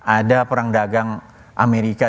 ada perang dagang amerika